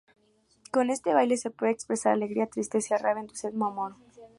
Con este baile se puede expresar alegría, tristeza, rabia, entusiasmo, amor...